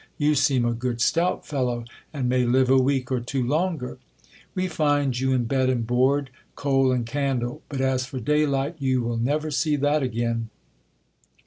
You seem a good stout fellow, and may live a week or two longer. We find you in bed and board, coal and candle ; but as for day light, you will never see that again.